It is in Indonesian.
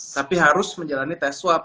tapi harus menjalani tes swab